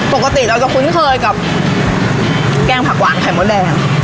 ปกติเราจะคุ้นเคยกับแกงผักหวานไข่มดแดง